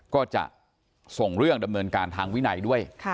ก็จะส่งเรื่องดำเนินการทางวินัยด้วย